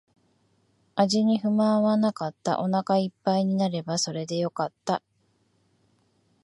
味に不満はなかった。お腹一杯になればそれでよかった。